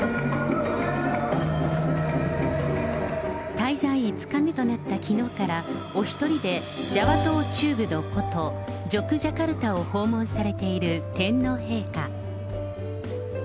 滞在５日目となったきのうから、お一人でジャワ島中部の古都、ジョクジャカルタを訪問されている天皇陛下。